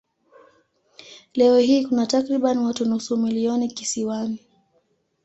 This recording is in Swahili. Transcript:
Leo hii kuna takriban watu nusu milioni kisiwani.